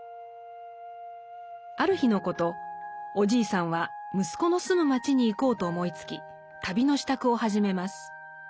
ある日のことおじいさんは息子の住む町に行こうと思いつき旅の支度を始めます。